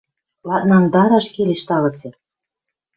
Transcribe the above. Ладнангдараш келеш тагыце.